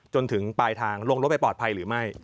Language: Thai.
จนถึงปลายทางลงรถไปปลอดภัยหรือไม่